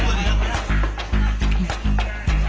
นะนี่เลยนะสิอ่ะ